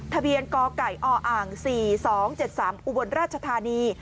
ทะเบียนกไก่ออ่างสี่สองเจ็ดสามอุบลราชธานี